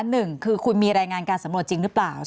หนึ่งคือคุณมีรายงานการสำรวจจริงหรือเปล่า